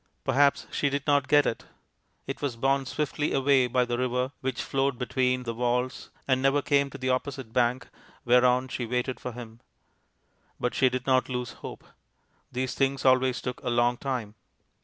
Perhaps she did not get it; it was borne swiftly away by the river which flowed beneath the walls, and never came to the opposite bank, whereon she waited for him. But she did not lose hope. These things always took a long time.